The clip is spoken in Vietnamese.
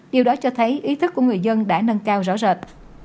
điều đó cho thấy ý thức của người dân đã nâng cao rõ rệt